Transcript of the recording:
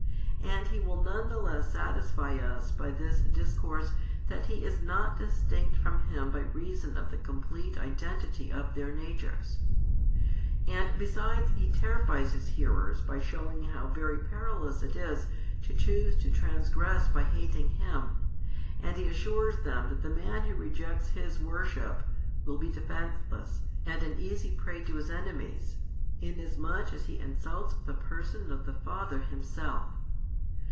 And He will none the less satisfy us by this discourse that He is not distinct from Him by reason of the complete identity of Their Natures. And besides He terrifies His hearers by showing how very perilous it is to choose to transgress by hating Him, and He assures them that the man who rejects His worship will be defenceless and an easy prey to his enemies, inasmuch as he insults the Person of the Father Himself.